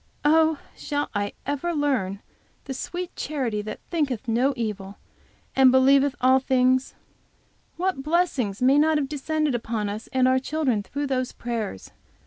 Oh, shall I ever learn the sweet charity that thinketh no evil, and believeth all things? What blessings may not have descended upon us and our children through those prayers!